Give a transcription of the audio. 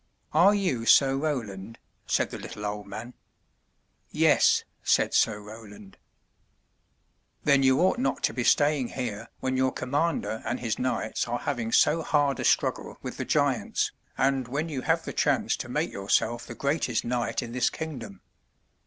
"Are you Sir Roland?" said the little old man. "Yes," said Sir Roland. "Then you ought not to be staying here when your com mander and his knights are having so hard a struggle with the 208 THE TREASURE CHEST giants, and when you have the chance to make yourself the greatest knight in this kingdom.